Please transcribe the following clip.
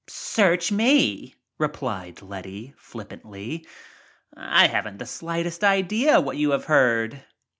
"Search me," replied Letty, flippantly. "I haven't the slightest idea what you have heard."